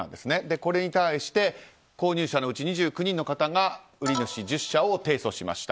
これに対して購入者のうち２９人の方が売主１０社を提訴しました。